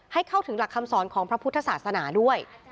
ให้เข้าถึงหลักคำสอนของพระพุทธศาสนาด้วย